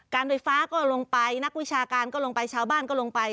การไฟฟ้าก็ลงไปนักวิชาการก็ลงไปชาวบ้านก็ลงไป